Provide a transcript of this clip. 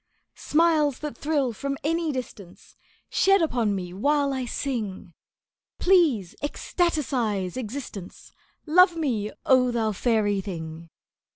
"Smiles that thrill from any distance Shed upon me while I sing! Please ecstaticize existence, Love me, oh, thou fairy thing!"